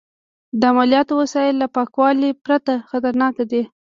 د عملیاتو وسایل له پاکوالي پرته خطرناک دي.